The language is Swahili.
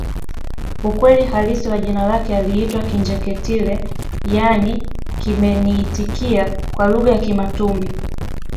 Ukweli halisi wa jina lake aliitwa Kinjeketile yaani kimeniitikia kwa lugha ya Kimatumbi